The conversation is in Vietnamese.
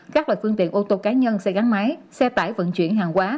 các loại phương tiện ô tô cá nhân xe gắn máy xe tải vận chuyển hàng quá